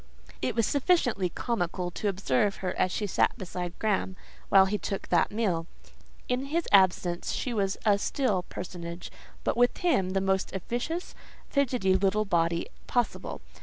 It was sufficiently comical to observe her as she sat beside Graham, while he took that meal. In his absence she was a still personage, but with him the most officious, fidgety little body possible.